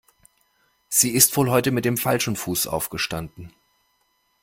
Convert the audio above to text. Sie ist wohl heute mit dem falschen Fuß aufgestanden.